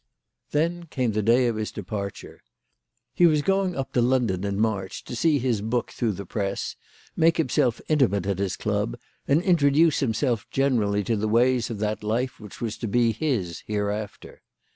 Then came the day of his departure. He was going up to London in March to see his book through the press, make himself intimate at his club, and intro duce himself generally to the ways of that life which was to be his hereafter.